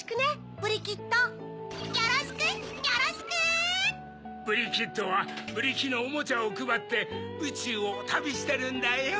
ブリキッドはブリキのおもちゃをくばってうちゅうをたびしてるんだよ。